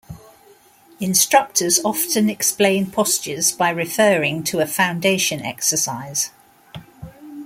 Instructors often explain postures by referring to a foundation exercise.